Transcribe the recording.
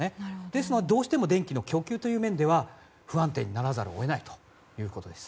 ですので、どうしても電気の供給は不安定にならざるを得ないということです。